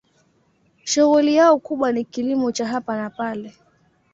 Shughuli yao kubwa ni kilimo cha hapa na pale.